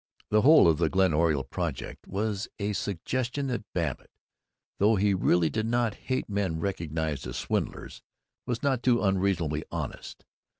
The whole of the Glen Oriole project was a suggestion that Babbitt, though he really did hate men recognized as swindlers, was not too unreasonably honest.